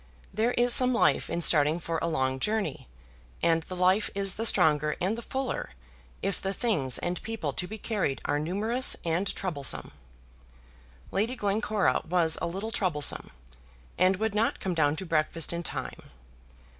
There is some life in starting for a long journey, and the life is the stronger and the fuller if the things and people to be carried are numerous and troublesome. Lady Glencora was a little troublesome, and would not come down to breakfast in time.